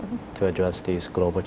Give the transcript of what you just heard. untuk menangani tantangan global ini